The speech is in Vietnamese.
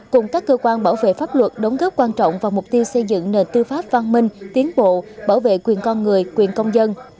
cùng các cơ quan bảo vệ pháp luật đóng góp quan trọng vào mục tiêu xây dựng nền tư pháp văn minh tiến bộ bảo vệ quyền con người quyền công dân